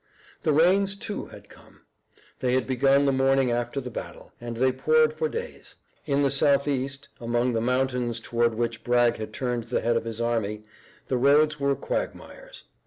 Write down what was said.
The rains, too, had come. They had begun the morning after the battle, and they poured for days. In the southeast, among the mountains toward which Bragg had turned the head of his army, the roads were quagmires.